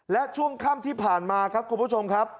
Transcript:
และช่วงค่ำที่ผ่านมาครับคุณผู้ชมครับ